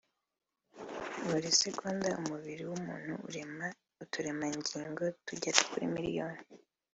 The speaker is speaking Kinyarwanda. Buri segonda umubiri w’umuntu urema uturemangingo(cellules) tugera kuri miliyoni